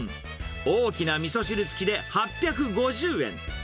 大きなみそ汁付きで８５０円。